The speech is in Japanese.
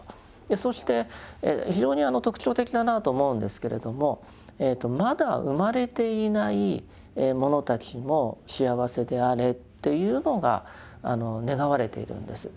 そして非常に特徴的だなと思うんですけれどもまだ生まれていないものたちも幸せであれというのが願われているんです。